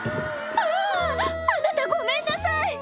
「あぁ！あなたごめんなさい」